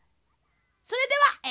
それではえ